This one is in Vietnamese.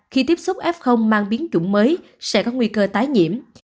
khi tiếp xúc f mang biến chủng mới sẽ có nguy cơ tái nhiễm